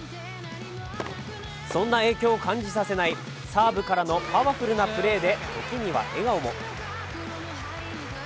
そんな影響を感じさせないサーブからのパワフルなプレーで時には笑顔も。